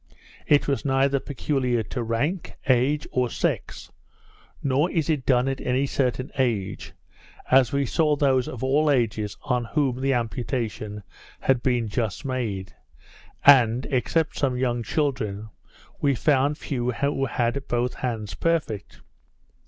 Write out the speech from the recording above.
It was neither peculiar to rank, age, or sex; nor is it done at any certain age, as I saw those of all ages on whom the amputation had been just made; and, except some young children, we found few who had both hands perfect.